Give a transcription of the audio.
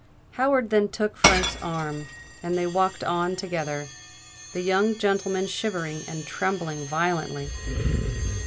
Howard then took Frank's arm; and they walked on together, the young gentleman shivering and trembling violently.